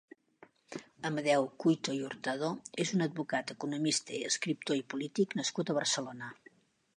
Amadeu Cuito i Hurtado és un advocat, economista, escriptor i polític nascut a Barcelona.